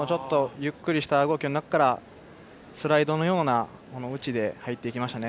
ゆっくりとした動きの中からスライドのような打ちで入っていきましたね。